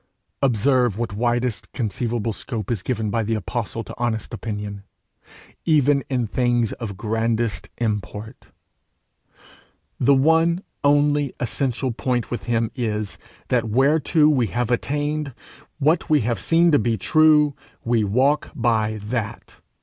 Observe what widest conceivable scope is given by the apostle to honest opinion, even in things of grandest import! the one only essential point with him is, that whereto we have attained, what we have seen to be true, we walk by that.